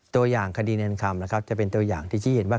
ตัวอย่างคดีแนนคำนะครับจะเป็นตัวอย่างที่ชี้เห็นว่า